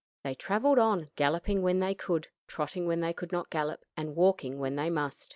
They traveled on, galloping when they could, trotting when they could not gallop, and walking when they must.